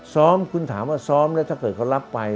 ซ้อมคุณถามว่าซ้อมแล้วถ้าเกิดเขารับไป